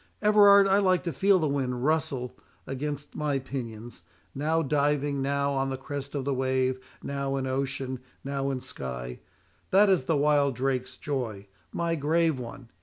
Everard, I like to feel the wind rustle against my pinions,—now diving, now on the crest of the wave, now in ocean, now in sky—that is the wild drake's joy, my grave one!